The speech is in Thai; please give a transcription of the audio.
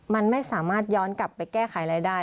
มันไม่สามารถย้อนกลับไปแก้ไขอะไรได้